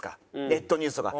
ネットニュースとか。